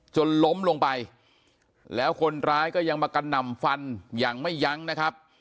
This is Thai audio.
ล้มลงไปแล้วคนร้ายก็ยังมากระหน่ำฟันอย่างไม่ยั้งนะครับ